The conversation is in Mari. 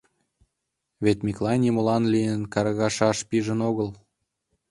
Вет Миклай нимолан лийын каргашаш пижын огыл.